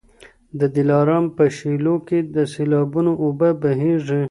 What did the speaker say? د دلارام په شېلو کي د سېلابونو اوبه بهیږي